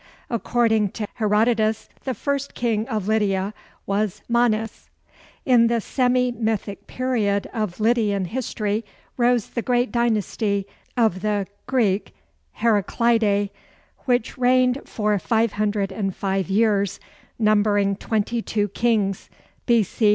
According to Herodotus, the first king of Lydia was Manes. In the semi mythic period of Lydian history rose the great dynasty of the [Greek: Heraclidæ], which reigned for 505 years, numbering twenty two kings B.C.